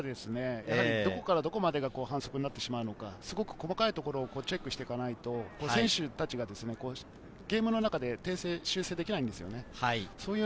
反則によってはどこからどこまでが反則なってしまうのか、細かいところチェックしていかないと選手たちがゲームの中で訂正や修正ができないんですよね。